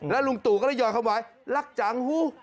แล้วลุงตูก็ได้ยอดความหวานรักจังหู้